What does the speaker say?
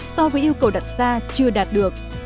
so với yêu cầu đặt ra chưa đạt được